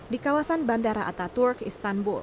di kawasan bandara ataturk istanbul